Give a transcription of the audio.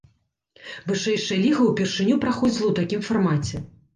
Вышэйшая ліга ўпершыню праходзіла ў такім фармаце.